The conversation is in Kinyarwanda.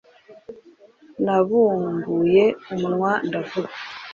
Nabumbuye umunwa ndavuga,